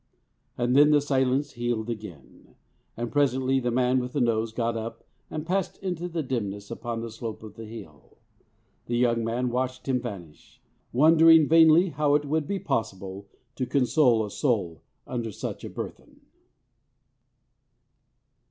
And then the silence healed again, and presently the man with the nose got up and passed into the dimness upon the slope of the hill. The young man watched him vanish, wondering vainly how it would be possible to console a soul under such a burthen.